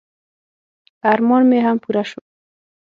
ارمان مې هم پوره شو.